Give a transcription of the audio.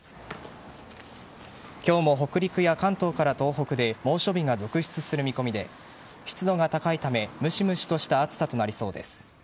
今日も北陸や関東から東北で猛暑日が続出する見込みで湿度が高いため、むしむしとした暑さとなりそうです。